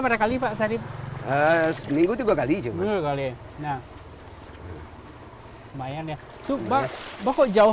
masa terbatas makanya allah melakukan teramer iklan yang berubah dengan jauh